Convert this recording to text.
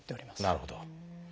なるほど。